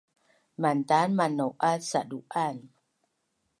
Mantan manau’az sadu’an